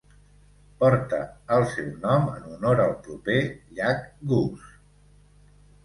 Porta el seu nom en honor al proper llac Goose.